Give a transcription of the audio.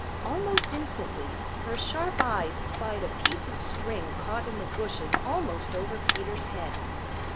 Almost instantly her sharp eyes spied a piece of string caught in the bushes almost over Peter's head.